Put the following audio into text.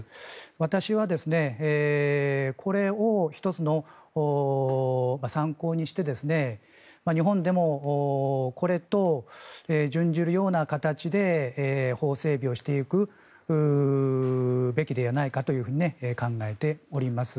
私はこれを１つの参考にして日本でもこれと準じるような形で法整備をしていくべきではないかと考えております。